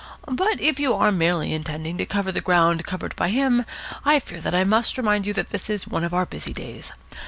But if you are merely intending to cover the ground covered by him, I fear I must remind you that this is one of our busy days.